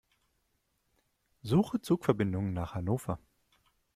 Suche Zugverbindungen nach Hannover.